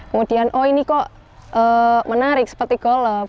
kemudian oh ini kok menarik seperti golf